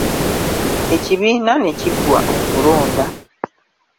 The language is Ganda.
Ekibiina ne kiggwa okulonda.